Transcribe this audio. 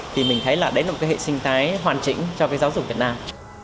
thì mình thấy là đấy là một cái hệ sinh thái hoàn chỉnh cho cái giáo dục việt nam